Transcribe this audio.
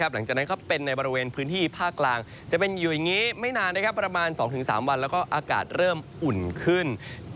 หลังจากนั้นก็เป็นในบริเวณพื้นที่ภาคกลางจะเป็นอยู่อย่างนี้ไม่นานประมาณ๒๓วันแล้วก็อากาศเริ่มอุ่นขึ้น